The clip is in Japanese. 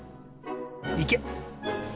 いけ！